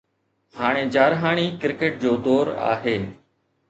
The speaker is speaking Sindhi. هاڻي جارحاڻي ڪرڪيٽ جو دور آهي.